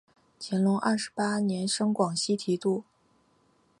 乾隆二十八年升广西提督。